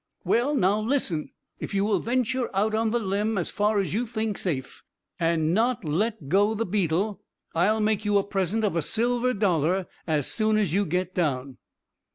"Well! now listen! if you will venture out on the limb as far as you think safe, and not let go the beetle, I'll make you a present of a silver dollar as soon as you get down."